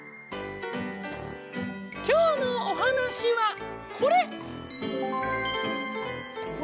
きょうのおはなしはこれ。